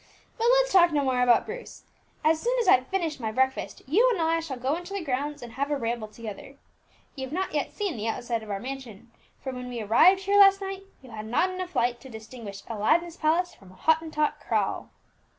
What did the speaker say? But let's talk no more about Bruce. As soon as I've finished my breakfast, you and I shall go into the grounds and have a ramble together. You've not yet seen the outside of our mansion, for when we arrived here last night you had not enough light to distinguish Aladdin's palace from a Hottentot kraal."